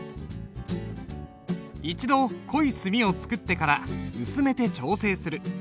一度濃い墨を作ってから薄めて調整する。